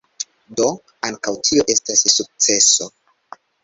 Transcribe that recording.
Do, ankaŭ tio estas sukceso.